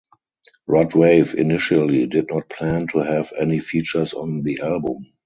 Rod Wave initially did not plan to have any features on the album.